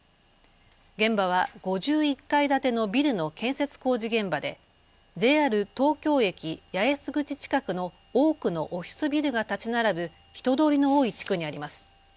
現場は５１階建てのビルの建設工事現場でＪＲ東京駅八重洲口近くの多くのオフィスビルが建ち並ぶ人通りの多い地区にあります。